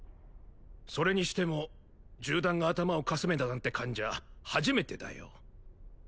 それにしても銃弾が頭をかすめたなんて患者初めてだよ